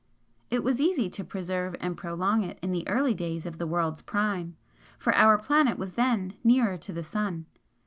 It was easy to preserve and prolong it in the early days of the world's prime, for our planet was then nearer to the sun.